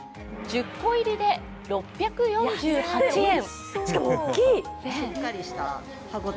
１０個入りで６４８円。